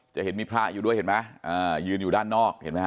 จะเห็นมีพระอยู่ด้วยเห็นไหมยืนอยู่ด้านนอกเห็นไหมฮ